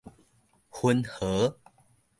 雲和